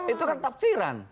itu kan tafsiran